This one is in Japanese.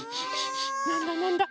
なんだなんだ？